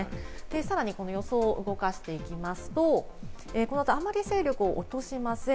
さらにこの予想を動かしていきますと、この後、あまり勢力を落としません。